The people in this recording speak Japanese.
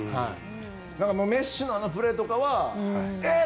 だからメッシのあのプレーとかはえっ？